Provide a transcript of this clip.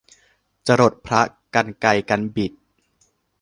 จรดพระกรรไกรกรรบิด